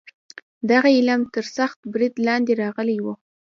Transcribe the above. دغه علم تر سخت برید لاندې راغلی و.